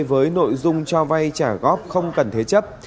với nội dung cho vay trả góp không cần thế chấp